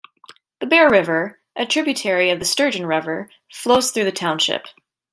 The Bear River, a tributary of the Sturgeon River, flows through the township.